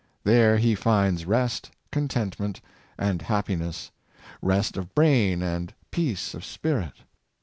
There he finds rest, con tentment, and happiness — rest of brain and peace of spirit.